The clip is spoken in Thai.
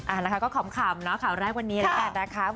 อ่าแล้วก็ขอบคำข่าวแรกวันนี้ละกันนะคะ